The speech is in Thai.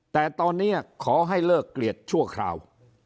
แต่ตอนนี้ขอให้เลิกเกลียดชั่วคราว